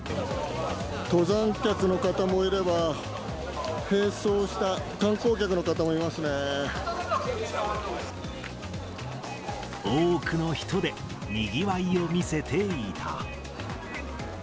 登山客の方もいれば、多くの人でにぎわいを見せていた。